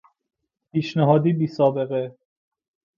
پیشنهادی بیسابقه